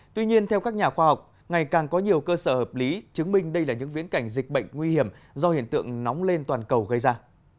tuy nhiên theo các nhà khoa học ngày càng có nhiều cơ sở hợp lý chứng minh đây là những viễn cảnh dịch bệnh nguy hiểm do hiện tượng nóng lên toàn cầu gây ra